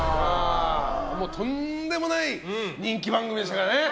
とんでもない人気番組でしたからね。